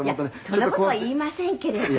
「そんな事は言いませんけれど。